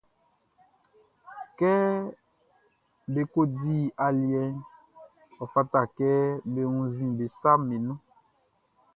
Kɛ be ko di aliɛʼn, ɔ fata kɛ be wunnzin be saʼm be nun.